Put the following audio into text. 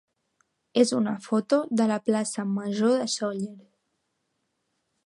és una foto de la plaça major de Sóller.